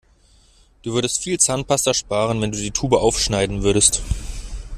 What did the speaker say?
Du würdest viel Zahnpasta sparen, wenn du die Tube aufschneiden würdest.